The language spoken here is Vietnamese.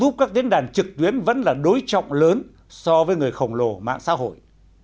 giúp các diễn đàn trực tuyến vẫn là đối trọng lớn so với người khổng lồ mạng xã hội